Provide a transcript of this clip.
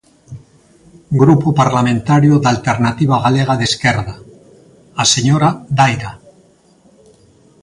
Grupo Parlamentario da Alternativa Galega de Esquerda, a señora Daira.